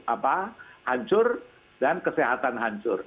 apa hancur dan kesehatan hancur